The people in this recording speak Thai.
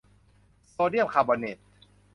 โซเดียมคาร์บอเนต